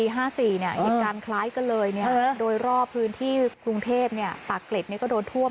เหตุการณ์คล้ายกันเลยโดยรอบพื้นที่กรุงเทพปากเกร็ดก็โดนท่วม